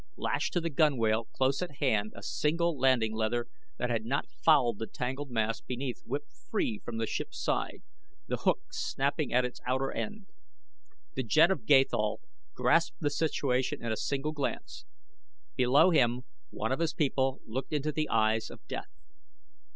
Lashed to the gunwale close at hand a single landing leather that had not fouled the tangled mass beneath whipped free from the ship's side, the hook snapping at its outer end. The Jed of Gathol grasped the situation in a single glance. Below him one of his people looked into the eyes of Death.